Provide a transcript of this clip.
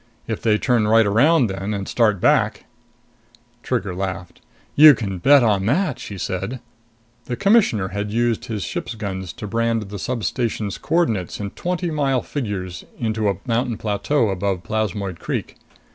If they turn right around then, and start back " Trigger laughed. "You can bet on that!" she said. The Commissioner had used his ship's guns to brand the substation's coordinates in twenty mile figures into a mountain plateau above Plasmoid Creek.